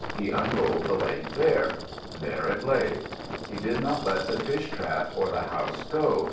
He unrolled the lake there. There it lay. He did not let the fish trap or the house go.